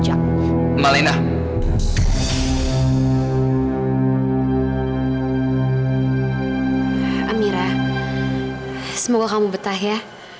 amira semoga kamu betah ya